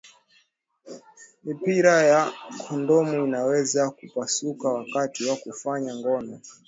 mipira ya kondomu inaweza kupasuka wakati wa kufanya ngono